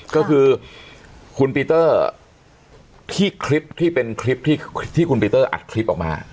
ก็คือคุณปีเตอร์ที่คลิปที่เป็นคลิปที่คุณปีเตอร์อัดคลิปออกมา